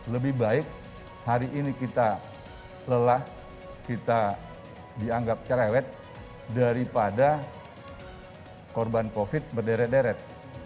lebih baik hari ini kita lelah kita dianggap cerewet daripada korban covid berderet deret